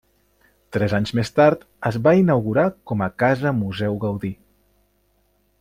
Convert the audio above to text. Tres anys més tard, es va inaugurar com a Casa Museu Gaudí.